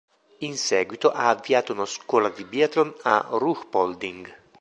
In seguito ha avviato una scuola di biathlon a Ruhpolding.